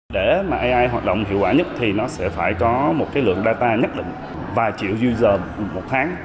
để mà ai hoạt động hiệu quả nhất thì nó sẽ phải có một cái lượng data nhất định vài triệu một tháng